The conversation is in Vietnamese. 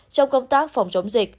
trong công tác phòng chống dịch